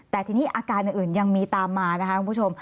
แต่ทีนี้อาการอื่นยังมีตามมานะคะคุณผู้ชม